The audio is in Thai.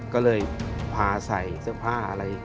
ก็เลยพาใส่เสื้อผ้าอะไร